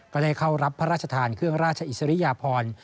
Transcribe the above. ก็ได้เข้ารับพระราชทานเครื่องราชอิสริยพร